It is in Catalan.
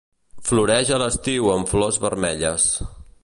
Floreix a l'estiu amb flors vermelles.